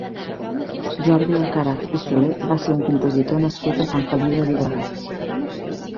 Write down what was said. Jordi Alcaraz i Solé va ser un compositor nascut a Sant Feliu de Llobregat.